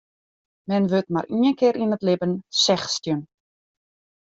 Men wurdt mar ien kear yn it libben sechstjin.